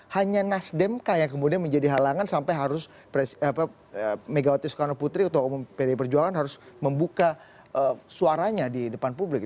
hanya nasdem kah yang kemudian menjadi halangan sampai harus megawati soekarno putri atau pd perjuangan harus membuka suaranya di depan publik